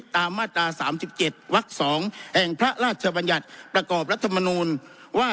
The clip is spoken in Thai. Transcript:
ตามมาตรา๓๗วัก๒แห่งพระราชบัญญัติประกอบรัฐมนูลว่า